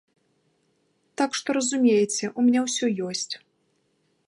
Так што разумееце, у мяне ўсё ёсць.